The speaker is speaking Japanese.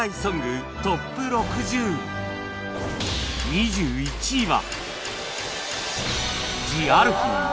２１位は